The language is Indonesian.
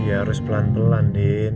ya harus pelan pelan di